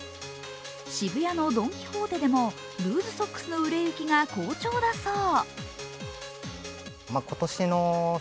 渋谷のドン・キホーテでもルーズソックスの売れ行きが好調だそう。